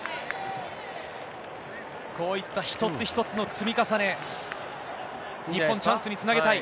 こういった一つ一つの積み重ね、日本、チャンスにつなげたい。